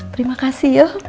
terima kasih yuk